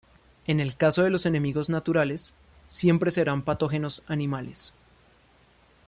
En el caso de los enemigos naturales, siempre serán patógenos animales.